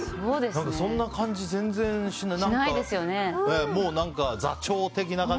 そんな感じ全然しない。